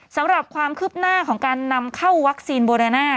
สำหรับความคืบหน้าของการนำเข้าวัคซีนโบเรน่า